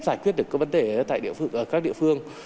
giải quyết được các vấn đề ở các địa phương